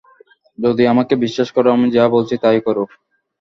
যদি আমাকে বিশ্বাস করো, আমি যা বলছি তাই করো।